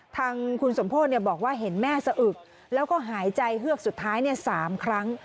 ทางคุณสมโพธิบอกว่าเห็นแม่สะอึกแล้วก็หายใจเฮือกสุดท้าย๓ครั้ง